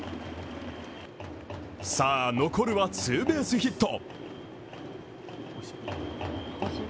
さあ残るはツーベースヒット。